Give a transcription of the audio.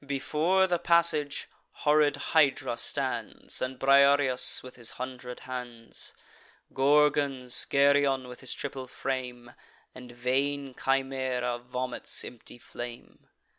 Before the passage, horrid Hydra stands, And Briareus with all his hundred hands; Gorgons, Geryon with his triple frame; And vain Chimaera vomits empty flame.